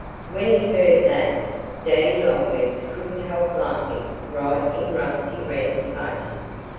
When he heard that, Daddy Longlegs couldn't help laughing right in Rusty Wren's face.